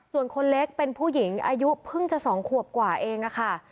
ส่วนคนเล็กเป็นผู้หญิงอายุเพิ่งจะ๒ขวบกว่าเองค่ะ